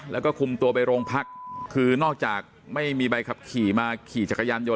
แล้วก็คุมตัวไปโรงพักคือนอกจากไม่มีใบขับขี่มาขี่จักรยานยนต